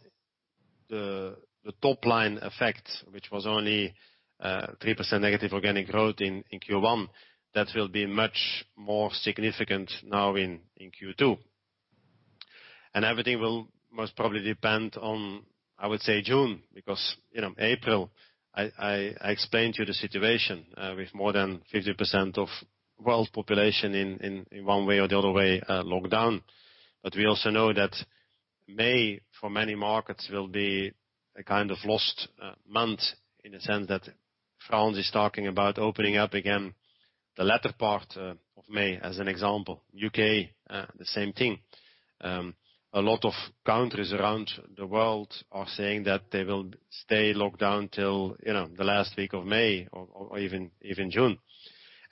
the top line effect, which was only -3% organic growth in Q1, that will be much more significant now in Q2. Everything will most probably depend on, I would say, June, because April, I explained to you the situation with more than 50% of world population in one way or the other way locked down. We also know that May, for many markets, will be a kind of lost month in the sense that France is talking about opening up again the latter part of May, as an example, U.K., the same thing. A lot of countries around the world are saying that they will stay locked down till the last week of May or even June.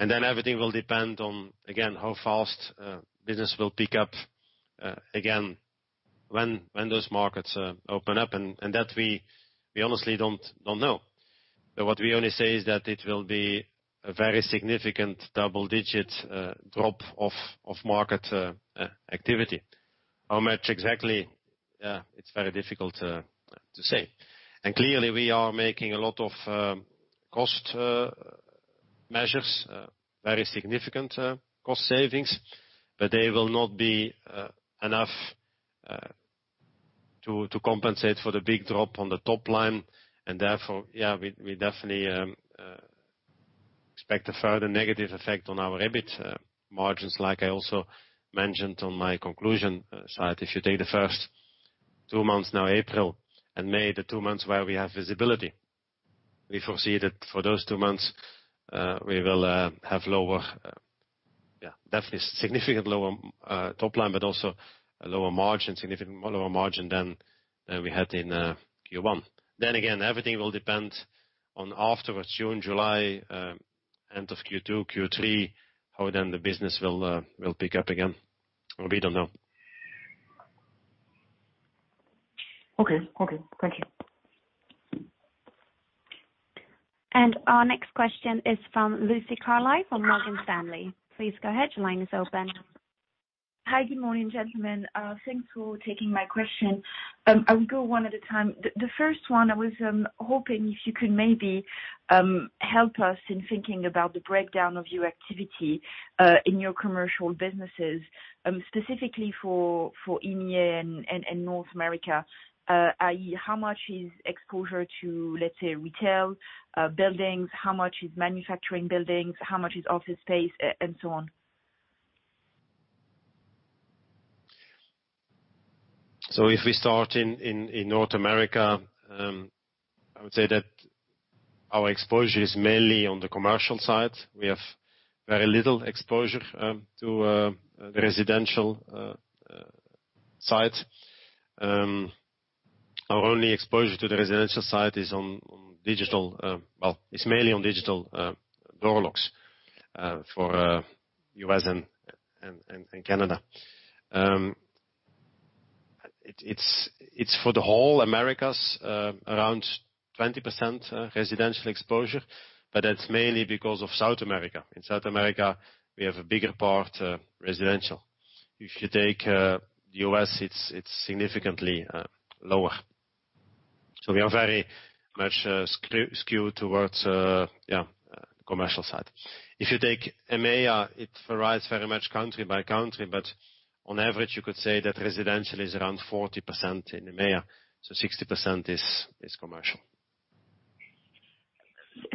Then everything will depend on, again, how fast business will pick up again when those markets open up, and that we honestly don't know. What we only say is that it will be a very significant double-digit drop of market activity. How much exactly? It's very difficult to say. Clearly we are making a lot of cost measures, very significant cost savings, but they will not be enough to compensate for the big drop on the top line. Therefore, we definitely expect a further negative effect on our EBIT margins. Like I also mentioned on my conclusion side, if you take the first two months now, April and May, the two months where we have visibility, we foresee that for those two months we will have definitely significant lower top line, but also a lower margin, significant lower margin than we had in Q1. Again, everything will depend on afterwards, June, July, end of Q2, Q3, how then the business will pick up again. We don't know. Okay. Thank you. Our next question is from Lucie Carrier from Morgan Stanley. Please go ahead. Your line is open. Hi, good morning, gentlemen. Thanks for taking my question. I'll go one at a time. The first one, I was hoping if you could maybe help us in thinking about the breakdown of your activity, in your commercial businesses, specifically for EMEA and North America. I.e., how much is exposure to, let's say, retail buildings, how much is manufacturing buildings, how much is office space and so on? If we start in North America, I would say that our exposure is mainly on the commercial side. We have very little exposure to residential side. Our only exposure to the residential side is on digital. Well, it's mainly on digital door locks for U.S. and Canada. It's for the whole Americas, around 20% residential exposure, but that's mainly because of South America. In South America, we have a bigger part residential. If you take U.S., it's significantly lower. We are very much skewed towards commercial side. If you take EMEA, it varies very much country by country. On average, you could say that residential is around 40% in EMEA, 60% is commercial.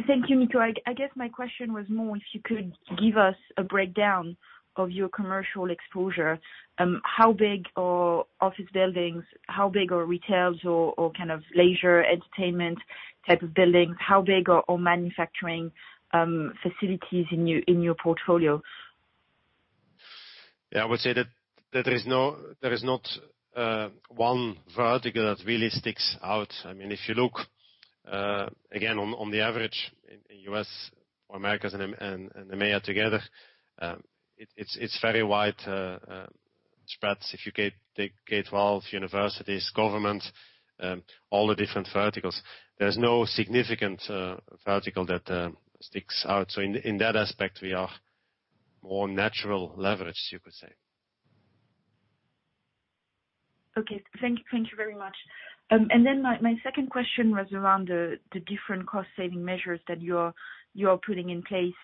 Thank you, Nico. I guess my question was more if you could give us a breakdown of your commercial exposure. How big are office buildings? How big are retails or leisure entertainment type of buildings? How big are manufacturing facilities in your portfolio? Yeah, I would say that there is not one vertical that really sticks out. If you look, again, on the average in U.S. or Americas and EMEA together, it's very wide spreads. If you take K12, universities, government, all the different verticals, there's no significant vertical that sticks out. In that aspect, we are more natural leverage, you could say. Okay. Thank you very much. My second question was around the different cost saving measures that you're putting in place.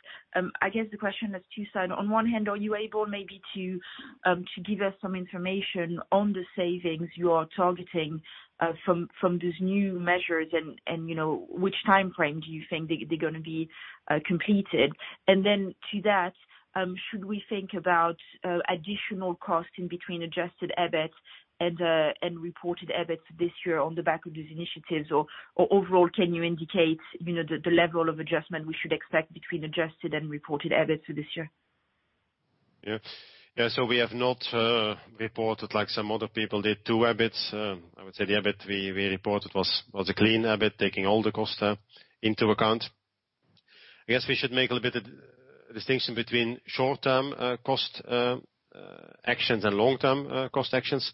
I guess the question is two-side. On one hand, are you able maybe to give us some information on the savings you are targeting from these new measures, and which timeframe do you think they're going to be completed? To that, should we think about additional costs in between adjusted EBIT and reported EBIT this year on the back of these initiatives, or overall can you indicate the level of adjustment we should expect between adjusted and reported EBIT for this year? Yeah. We have not reported like some other people did two EBITs. I would say the EBIT we reported was a clean EBIT, taking all the cost into account. I guess we should make a little bit of distinction between short-term cost actions and long-term cost actions.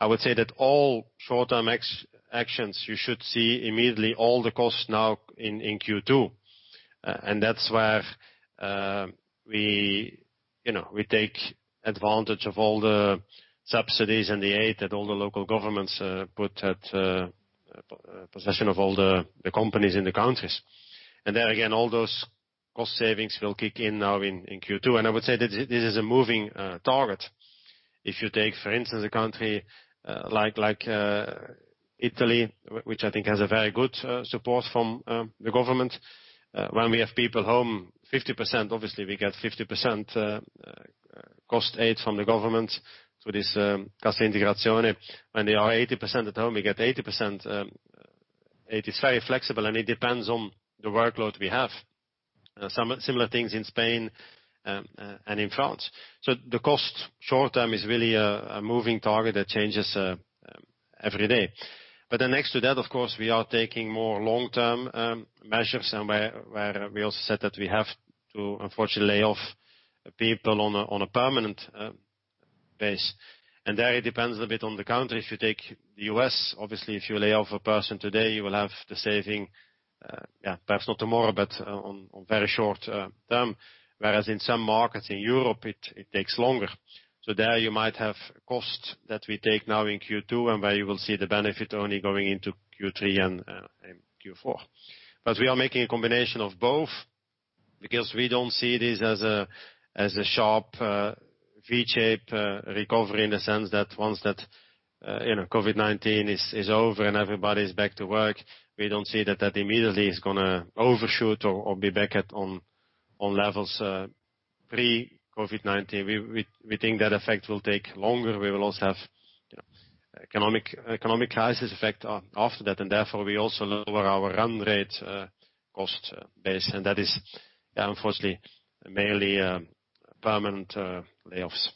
I would say that all short-term actions, you should see immediately all the costs now in Q2. That's where we take advantage of all the subsidies and the aid that all the local governments put at possession of all the companies in the countries. There again, all those cost savings will kick in now in Q2. I would say that this is a moving target. If you take, for instance, a country like Italy, which I think has a very good support from the government. When we have people home 50%, obviously we get 50% cost aid from the government through this Cassa Integrazione. When they are 80% at home, we get 80%. It is very flexible, and it depends on the workload we have. Similar things in Spain and in France. The cost short-term is really a moving target that changes every day. Next to that, of course, we are taking more long-term measures and where we also said that we have to unfortunately lay off people on a permanent basis. That depends a bit on the country. If you take the U.S., obviously, if you lay off a person today, you will have the saving, perhaps not tomorrow, but on very short term. Whereas in some markets in Europe, it takes longer. There you might have cost that we take now in Q2, and where you will see the benefit only going into Q3 and Q4. We are making a combination of both because we don't see this as a sharp V-shaped recovery in the sense that once that COVID-19 is over and everybody's back to work, we don't see that that immediately is going to overshoot or be back at on levels pre-COVID-19. We think that effect will take longer. We will also have economic crisis effect after that, and therefore we also lower our run rate cost base, and that is unfortunately mainly permanent layoffs.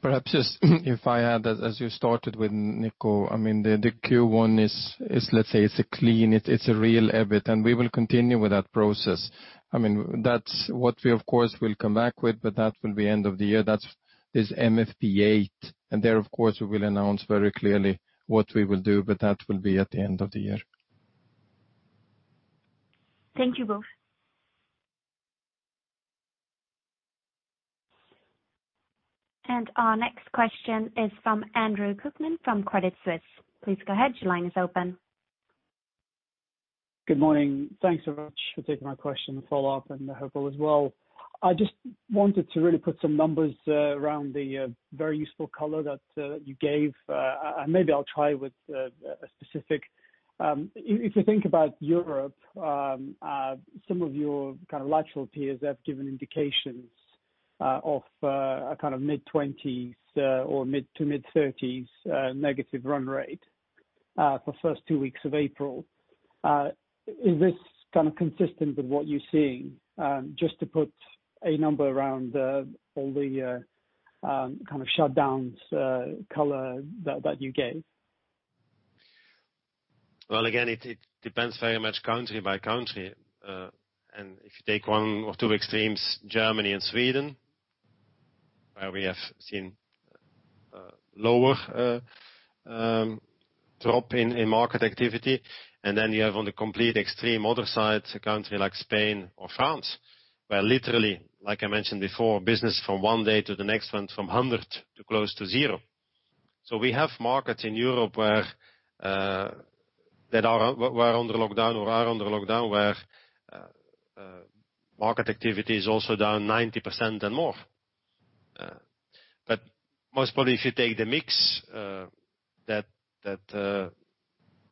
Perhaps just if I add, as you started with Nico, the Q1 is, let's say it's a clean, it's a real EBIT and we will continue with that process. That's what we, of course, will come back with, but that will be end of the year. That's this MFP8. There, of course, we will announce very clearly what we will do, but that will be at the end of the year. Thank you both. Our next question is from Andre Kukhnin from Credit Suisse. Please go ahead. Your line is open. Good morning. Thanks so much for taking my question. Follow-up and Hopewell as well. I just wanted to really put some numbers around the very useful color that you gave. Maybe I will try with a specific. If you think about Europe, some of your kind of lateral peers have given indications of a mid-20s or mid to mid-30s negative run rate for first two weeks of April. Is this consistent with what you are seeing? Just to put a number around all the kind of shutdowns color that you gave. Again, it depends very much country by country. If you take one or two extremes, Germany and Sweden, where we have seen lower drop in market activity, and then you have on the complete extreme other side, a country like Spain or France, where literally, like I mentioned before, business from one day to the next went from 100 to close to zero. We have markets in Europe where that were under lockdown or are under lockdown, where market activity is also down 90% and more. Most probably, if you take the mix, that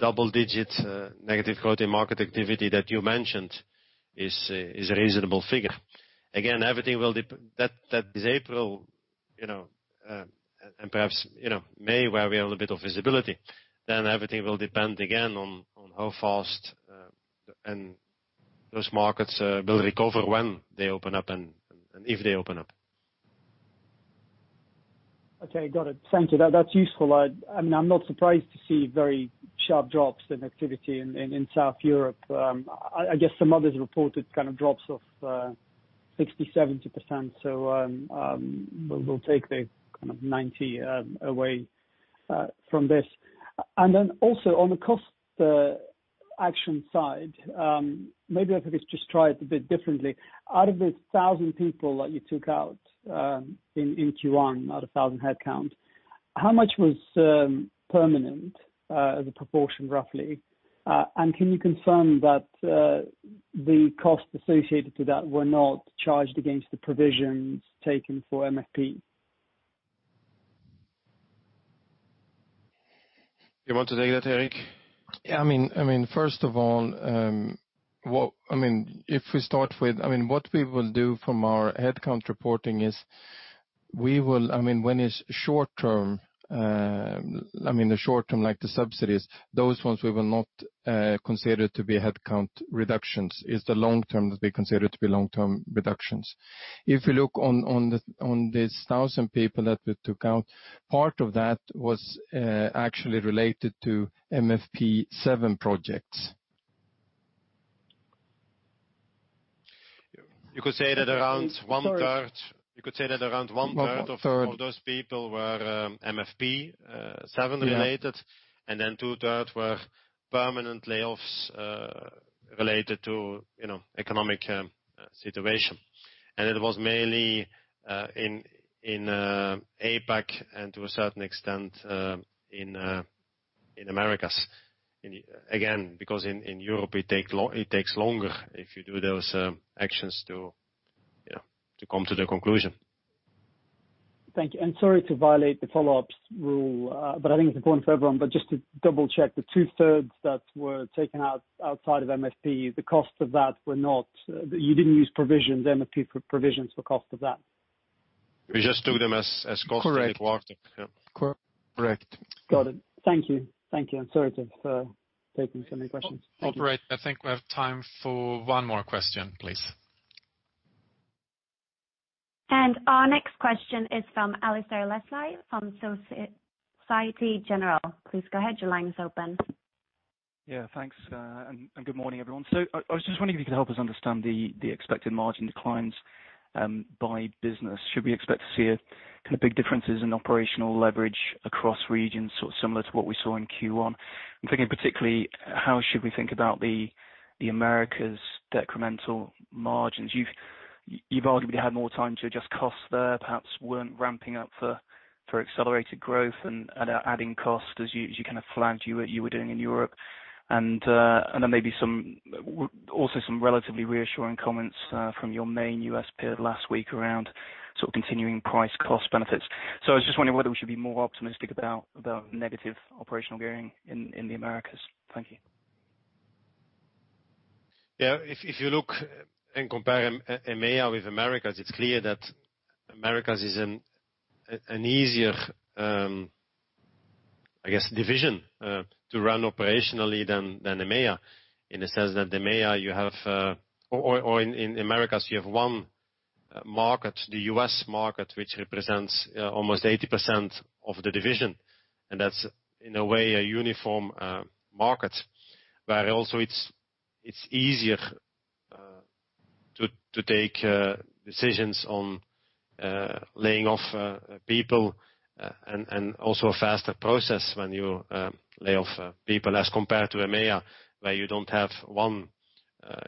double-digit negative growth in market activity that you mentioned is a reasonable figure. Again, that is April, and perhaps May, where we have a little bit of visibility, everything will depend again on how fast and those markets will recover when they open up and if they open up. Okay. Got it. Thank you. That's useful. I'm not surprised to see very sharp drops in activity in South Europe. I guess some others reported drops of 60%-70%. We'll take the kind of 90% away from this. Also on the cost action side, maybe I could just try it a bit differently. Out of the 1,000 people that you took out in Q1 out of 1,000 headcount, how much was permanent as a proportion, roughly? Can you confirm that the cost associated to that were not charged against the provisions taken for MFP? You want to take that, Erik? First of all, if we start with what we will do from our headcount reporting is when it's short-term, like the subsidies, those ones we will not consider to be headcount reductions. It's the long-term that we consider to be long-term reductions. If you look on these 1,000 people that we took out, part of that was actually related to MFP 7 projects. You could say that around one-third. One-third. Of those people were MFP7 related. Two-third were permanent layoffs related to economic situation. It was mainly in APAC and to a certain extent in Americas. Again, because in Europe it takes longer if you do those actions to come to the conclusion. Thank you. Sorry to violate the follow-ups rule, but I think it's important for everyone. Just to double-check, the two-thirds that were taken out outside of MFP, the cost of that, you didn't use MFP provisions for cost of that? We just took them as cost. Correct. When it worked. Correct. Got it. Thank you. Sorry to take so many questions. Operator, I think we have time for one more question, please. Our next question is from Alasdair Leslie from Société Générale. Please go ahead. Your line is open. Yeah, thanks. Good morning, everyone. I was just wondering if you could help us understand the expected margin declines by business. Should we expect to see big differences in operational leverage across regions, similar to what we saw in Q1? I'm thinking particularly, how should we think about the Americas' decremental margins? You've arguably had more time to adjust costs there, perhaps weren't ramping up for accelerated growth and adding costs as you flagged you were doing in Europe. Maybe also some relatively reassuring comments from your main U.S. peer last week around continuing price cost benefits. I was just wondering whether we should be more optimistic about negative operational gearing in the Americas. Thank you. If you look and compare EMEA with Americas, it's clear that Americas is an easier division to run operationally than EMEA in the sense that in Americas, you have one market, the U.S. market, which represents almost 80% of the division. That's, in a way, a uniform market, where also it's easier to take decisions on laying off people and also a faster process when you lay off people as compared to EMEA, where you don't have one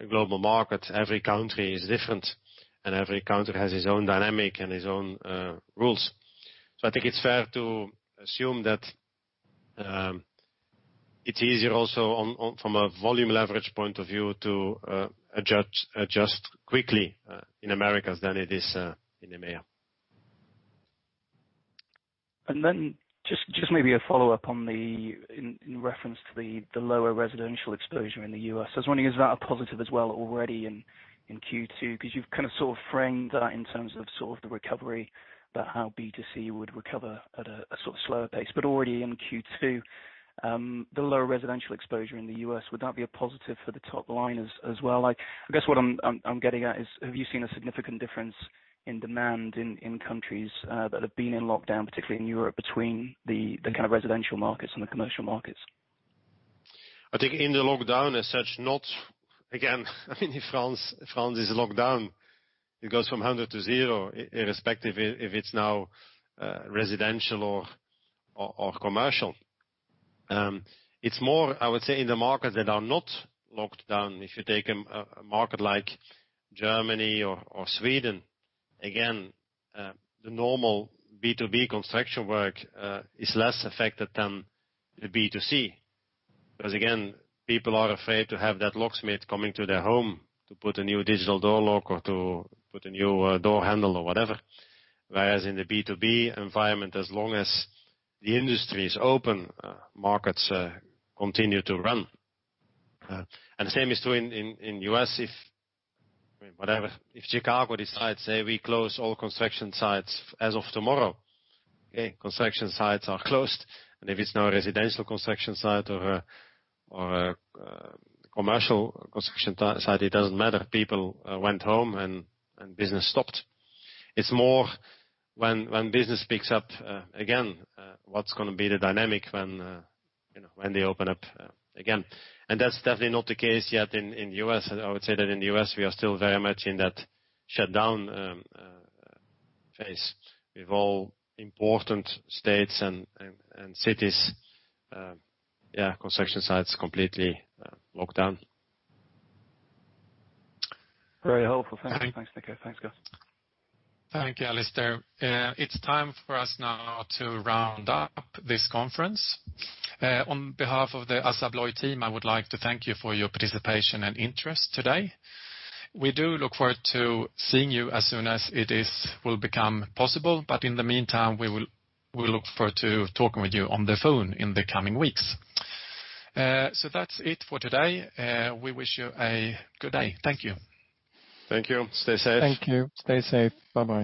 global market. Every country is different, and every country has its own dynamic and its own rules. I think it's fair to assume that it's easier also from a volume leverage point of view to adjust quickly in Americas than it is in EMEA. [And then,] just maybe a follow-up in reference to the lower residential exposure in the U.S. I was wondering, is that a positive as well already in Q2? You've sort of framed that in terms of the recovery, about how B2C would recover at a slower pace. Already in Q2, the lower residential exposure in the U.S., would that be a positive for the top line as well? I guess what I'm getting at is, have you seen a significant difference in demand in countries that have been in lockdown, particularly in Europe, between the residential markets and the commercial markets? I think in the lockdown as such, not. If France is locked down, it goes from 100 to zero, irrespective if it's now residential or commercial. It's more, I would say, in the markets that are not locked down. If you take a market like Germany or Sweden, again, the normal B2B construction work is less affected than the B2C. Again, people are afraid to have that locksmith coming to their home to put a new digital door lock or to put a new door handle or whatever. Whereas in the B2B environment, as long as the industry is open, markets continue to run. The same is true in U.S. if, whatever, if Chicago decides, "Hey, we close all construction sites as of tomorrow." Okay, construction sites are closed, if it's now a residential construction site or a commercial construction site, it doesn't matter. People went home and business stopped. It's more when business picks up again, what's going to be the dynamic when they open up again. That's definitely not the case yet in U.S. I would say that in the U.S., we are still very much in that shutdown phase with all important states and cities. Yeah, construction sites completely locked down. Very helpful. Thanks. Thanks, Nico. Thanks, guys. Thank you, Alasdair. It's time for us now to round up this conference. On behalf of the Assa Abloy team, I would like to thank you for your participation and interest today. We do look forward to seeing you as soon as it will become possible. In the meantime, we look forward to talking with you on the phone in the coming weeks. That's it for today. We wish you a good day. Thank you. Thank you. Stay safe. Thank you. Stay safe. Bye-bye.